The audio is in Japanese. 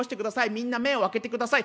みんな目を開けてください。